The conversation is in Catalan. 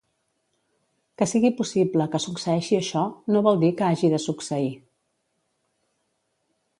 Que sigui possible que succeeixi això, no vol dir que hagi de succeir.